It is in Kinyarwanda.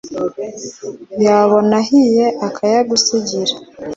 yabona ahiye akayagusigira